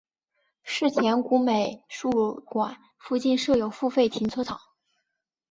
世田谷美术馆附近设有付费停车场。